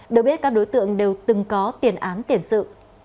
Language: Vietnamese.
được biết các đối tượng đều từng có tiền án tiền sự